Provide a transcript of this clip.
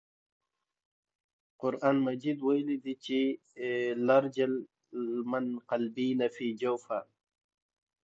دا خبره سمه ده.